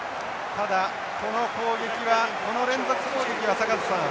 ただこの攻撃はこの連続攻撃は坂田さん